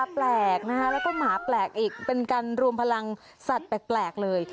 แปลกนะคะแล้วก็หมาแปลกอีกเป็นการรวมพลังสัตว์แปลกเลย